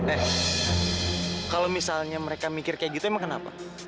eh kalau misalnya mereka mikir kayak gitu emang kenapa